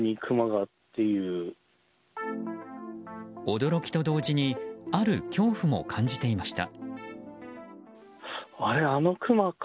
驚きと同時にある恐怖も感じていました。